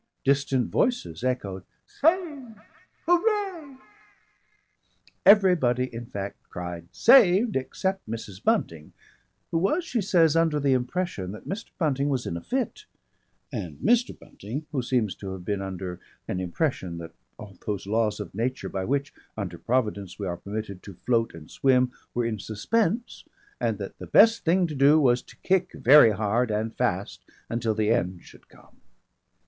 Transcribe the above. Distant voices echoed "Saved, Hooray!" Everybody in fact cried "Saved!" except Mrs. Bunting, who was, she says, under the impression that Mr. Bunting was in a fit, and Mr. Bunting, who seems to have been under an impression that all those laws of nature by which, under Providence, we are permitted to float and swim, were in suspense and that the best thing to do was to kick very hard and fast until the end should come.